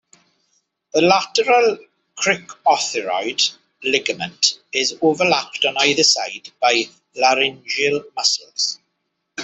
The lateral cricothyroid ligament is overlapped on either side by laryngeal muscles.